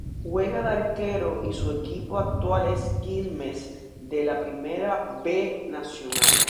Juega de arquero y su equipo actual es Quilmes, de la Primera B Nacional.